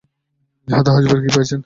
ইহাতে হাসিবার কী পাইলে?